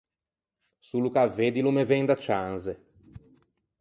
Solo che à veddilo o me ven da cianze.